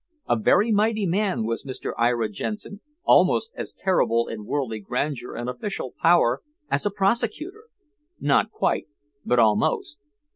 A very mighty man was Mr. Ira Jensen, almost as terrible in worldly grandeur and official power as a prosecutor. Not quite, but almost.